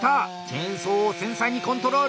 チェーンソーを繊細にコントロール！